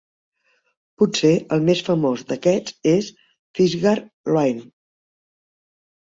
Potser el més famós d'aquests és "Feasgar Luain".